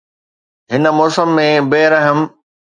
هن موسم ۾ بي رحم